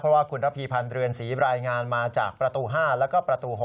เพราะว่าคุณระพีพันธ์เรือนศรีรายงานมาจากประตู๕แล้วก็ประตู๖